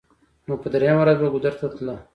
نو په درېمه ورځ به ګودر ته تله.